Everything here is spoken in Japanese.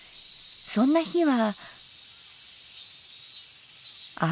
そんな日は。